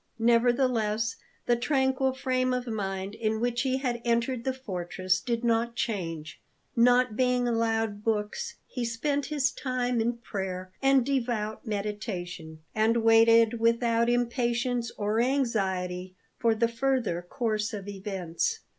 Nevertheless, the tranquil frame of mind in which he had entered the fortress did not change. Not being allowed books, he spent his time in prayer and devout meditation, and waited without impatience or anxiety for the further course of events.